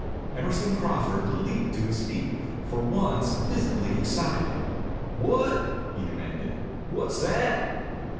Emerson Crawford leaped to his feet, for once visibly excited. "What?" he demanded. "Wha's that?"